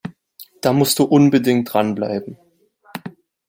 Da musst du unbedingt dranbleiben!